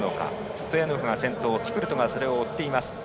ストヤノフが先頭キプルトが追っています。